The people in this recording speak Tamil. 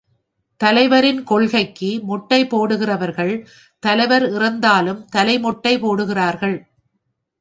தலைவரின் கொள்கைக்கு மொட்டை போடுகிறவர்கள், தலைவர் இறந்தாலும் தலை மொட்டை போடுகிறார்கள்.